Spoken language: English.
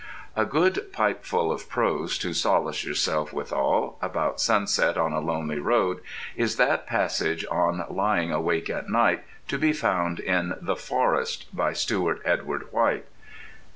A good pipeful of prose to solace yourself withal, about sunset on a lonely road, is that passage on "Lying Awake at Night" to be found in "The Forest," by Stewart Edward White.